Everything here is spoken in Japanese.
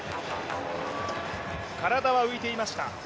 体は浮いていました。